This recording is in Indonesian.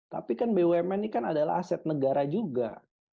tapi kan bumn ini kan adalah aset negara juga